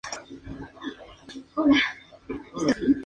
Si ambos son de igual fuerza, entonces el pH de equivalencia será neutro.